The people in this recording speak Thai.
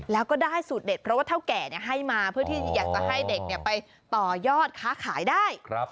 แล้วก็ได้สูตรเด็ดเพราะว่าเท่าแก่ให้มาเพื่อที่อยากจะให้เด็กไปต่อยอดค้าขายได้